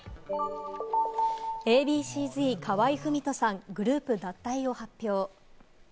Ａ．Ｂ．Ｃ−Ｚ・河合郁人さん、グループ脱退を発表。